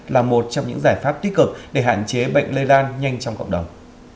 là một trong những giải pháp tích cực để hạn chế bệnh lây lan nhanh trong cộng đồng